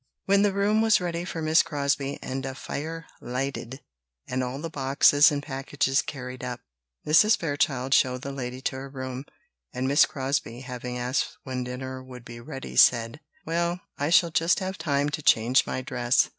When the room was ready for Miss Crosbie, and a fire lighted, and all the boxes and packages carried up, Mrs. Fairchild showed the lady to her room; and Miss Crosbie, having asked when dinner would be ready, said: "Well, I shall just have time to change my dress."